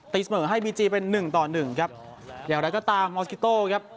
เสมอให้บีจีเป็นหนึ่งต่อหนึ่งครับอย่างไรก็ตามมอสกิโต้ครับ